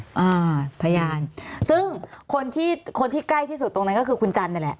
อ่าพยานซึ่งคนที่คนที่ใกล้ที่สุดตรงนั้นก็คือคุณจันทร์นี่แหละ